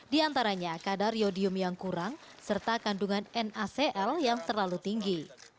di antaranya kadar yodium yang kurang serta kandungan nacl yang terlalu tinggi